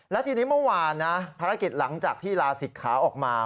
และทีนี้เมื่อวานนะภารกิจหลังจากที่ลาศิกขาออกมา